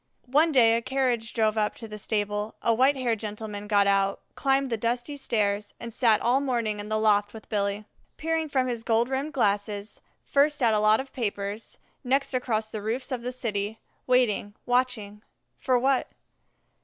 One day a carriage drove up to the stable; a white haired gentleman got out, climbed the dusty stairs, and sat all morning in the loft with Billy. Peering from his gold rimmed glasses, first at a lot of papers, next across the roofs of the city, waiting, watching, for what?